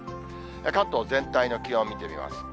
関東全体の気温見てみます。